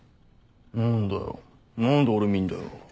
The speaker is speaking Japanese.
何だよ何で俺見んだよ。